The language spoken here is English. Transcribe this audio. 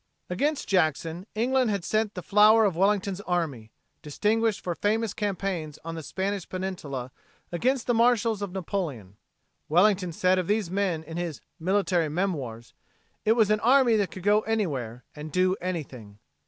Against Jackson, England had sent the flower of Wellington's army, distinguished for famous campaigns on the Spanish peninsula against the marshals of Napoleon. Wellington said of these men in his "Military Memoirs": "It was an army that could go anywhere and do anything."